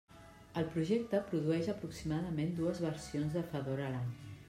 El projecte produeix aproximadament dues versions de Fedora l'any.